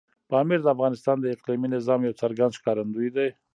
پامیر د افغانستان د اقلیمي نظام یو څرګند ښکارندوی دی.